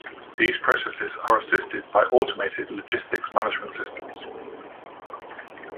These processes are assisted by automated logistics management systems.